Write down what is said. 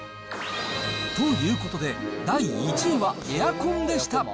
ということで、第１位はエアコンでした。